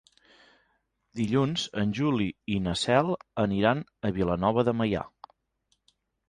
Dilluns en Juli i na Cel aniran a Vilanova de Meià.